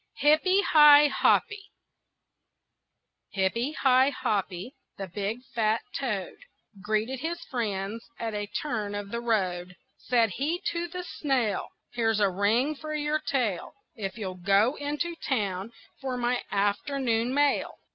HIPPY HI HOPPY Hippy Hi Hoppy, the big fat toad, Greeted his friends at a turn of the road. Said he to the snail: "Here's a ring for your tail If you'll go into town for my afternoon mail."